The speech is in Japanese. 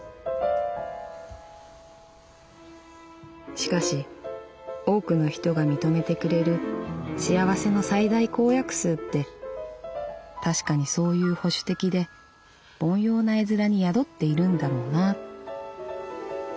「しかし多くの人が認めてくれる幸せの最大公約数って確かにそういう保守的で凡庸な絵面に宿っているんだろうな」。